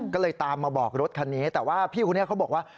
ก็เลยตามมาบอกรถคันนี้แต่ว่าพี่คนนี้เขาบอกว่า